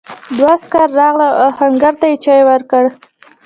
دوه عسکر راغلل او آهنګر ته یې چای ورکړ.